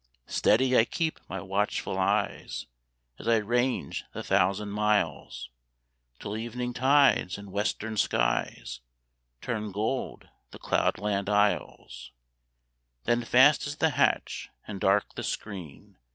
Steady I keep my watchful eyes, As I range the thousand miles. Till evening tides in western skies Turn gold the cloudland isles; Then fast is the hatch and dark the screen.